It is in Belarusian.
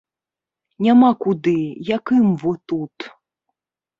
Няма куды, як ім во тут.